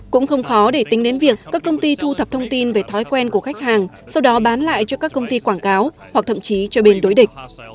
cũng không khó để tính đến việc các công ty thu thập thông tin về thói quen của khách hàng sau đó bán lại cho các công ty quảng cáo hoặc thậm chí cho bên đối địch